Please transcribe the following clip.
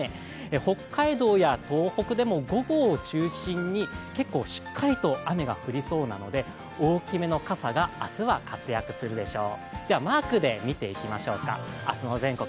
北海道や東北でも午後を中心に結構しっかりと雨が降りそうなので、大きめの傘が明日は活躍するでしょう。